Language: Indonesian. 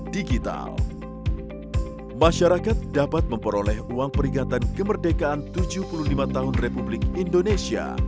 pemerintah dan bank indonesia menerbitkan uang peringatan kemerdekaan tujuh puluh lima tahun republik indonesia